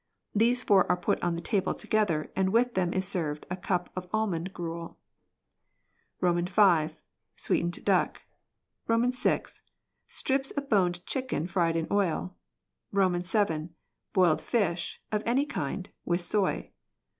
[These four are put on the table together and with them is served a cup of almond gruel.] V. Sweetened duck. VI. Strips of boned chicken fried in oil. VII. Boiled fish (of any kind) with soy.